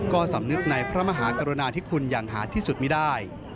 ก็สำนึกในพระมหากรุณาที่คุณอย่างหาที่สุดไม่ได้